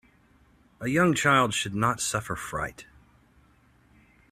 A young child should not suffer fright.